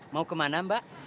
mau kemana mbak